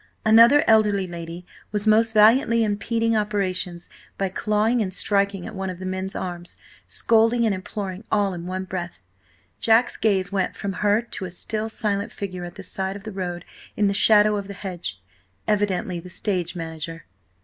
Another, elderly lady, was most valiantly impeding operations by clawing and striking at one of the men's arms, scolding and imploring all in one breath. Jack's gaze went from her to a still, silent figure at the side of the road in the shadow of the hedge, evidently the stage manager.